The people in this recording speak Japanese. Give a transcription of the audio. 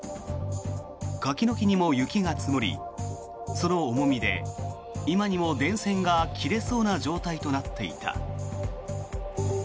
柿の木にも雪が積もりその重みで今にも電線が切れそうな状態となっていた。